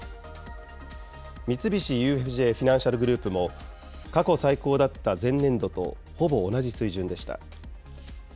三菱ＵＦＪフィナンシャル・グループも、過去最高だった前年度とほぼ同じ水準でした。